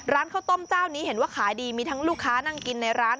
ข้าวต้มเจ้านี้เห็นว่าขายดีมีทั้งลูกค้านั่งกินในร้าน